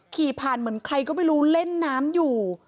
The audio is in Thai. ขี่ผ่านเหมือนใครก็ไม่รู้เล่นน้ำอยู่